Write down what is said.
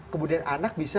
kemudian anak bisa